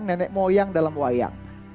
nenek moyang dalam wayang